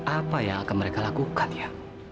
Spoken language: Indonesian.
apa yang akan mereka lakukan ya